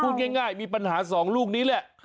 พูดง่ายมีปัญหา๒ลูกนี้แหละ